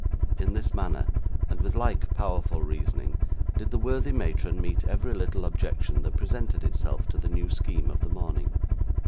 In this manner, and with like powerful reasoning, did the worthy matron meet every little objection that presented itself to the new scheme of the morning.